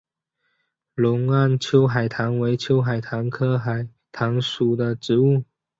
隆安秋海棠为秋海棠科秋海棠属的植物。